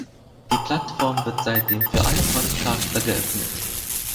Die Plattform wird seitdem für alle Podcaster geöffnet.